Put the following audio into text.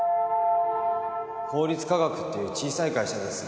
化学っていう小さい会社です。